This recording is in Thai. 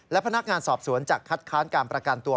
และพนักงานสอบสวนจะคัดค้านการประกันตัว